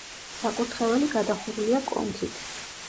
საკურთხეველი გადახურულია კონქით.